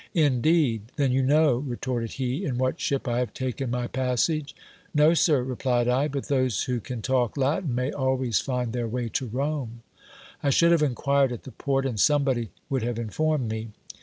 Indeed ! Then you know, retorted he, in what ship I have taken my passage ? No, sir, replied I ! but those who can talk Latin may always find their way to Rome : I should have inquired at the port, and somebody would have informed me.